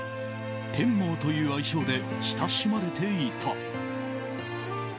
テンモーという愛称で親しまれていた。